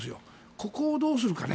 ここをどうするか。